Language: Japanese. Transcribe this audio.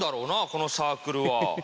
このサークルは。